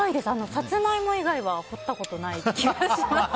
サツマイモ以外は掘ったことない気がします。